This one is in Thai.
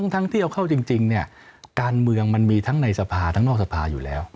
ท่องเที่ยวเข้าจริงเนี่ยการเมืองมันมีทั้งในสภาทั้งนอกสภาอยู่แล้ว